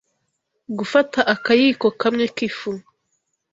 Gufata akayiko kamwe k’ifu